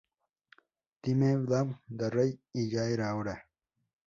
Dimebag Darrell ¡y ya era hora!